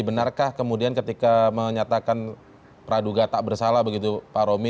benarkah kemudian ketika menyatakan praduga tak bersalah begitu pak romi